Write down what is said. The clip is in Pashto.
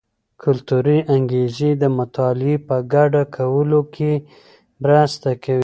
کلتوري انګیزې د مطالعې په ګډه کولو کې مرسته کوي.